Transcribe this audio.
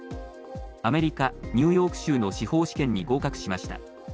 アメリカ・ニューヨーク州の司法試験に合格しました。